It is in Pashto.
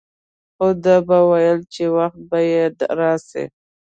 خو ده به ويل چې وخت به يې راسي.